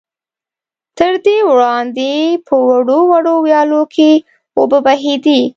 تر دې وړاندې په وړو وړو ويالو کې اوبه بهېدې.